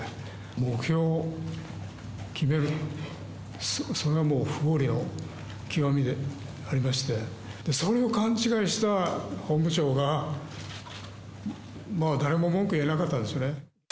目標を決める、それはもう不合理の極みでありまして、それを勘違いした本部長が、誰も文句言えなかったんでしょうね。